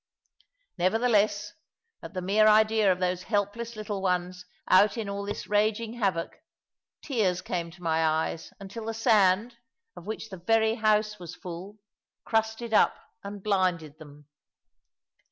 Nevertheless, at the mere idea of those helpless little ones out in all this raging havoc, tears came to my eyes, until the sand, of which the very house was full, crusted up and blinded them.